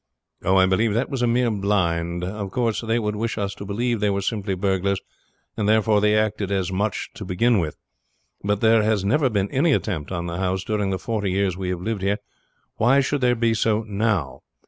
"Oh, I believe that was a mere blind. Of course they would wish us to believe they were simply burglars, and therefore they acted as such to begin with. But there has never been any attempt on the house during the forty years we have lived here. Why should there be so now?